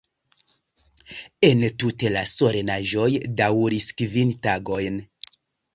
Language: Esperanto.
Entute la solenaĵoj daŭris kvin tagojn.